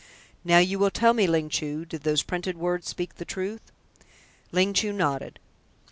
"Now, you will tell me, Ling Chu, did those printed words speak the truth?" Ling Chu nodded.